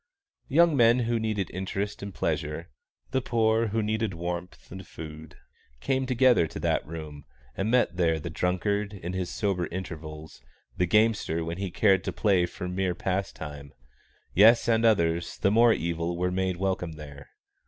Young men who needed interest and pleasure, the poor who needed warmth and food, came together to that room, and met there the drunkard in his sober intervals, the gamester when he cared to play for mere pastime; yes, and others, the more evil, were made welcome there.